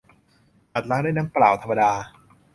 อาจล้างด้วยน้ำเปล่าธรรมดา